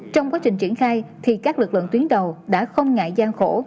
trong quá trình triển khai thì các lực lượng tuyến đầu đã không ngại gian khổ